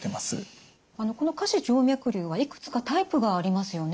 この下肢静脈瘤はいくつかタイプがありますよね。